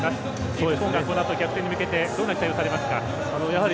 日本がこのあと逆転に向けてどんな期待をされますか？